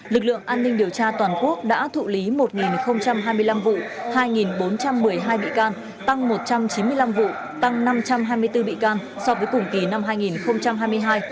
lực lượng an ninh điều tra toàn quốc đã thụ lý một hai mươi năm vụ hai bốn trăm một mươi hai bị can tăng một trăm chín mươi năm vụ tăng năm trăm hai mươi bốn bị can so với cùng kỳ năm hai nghìn hai mươi hai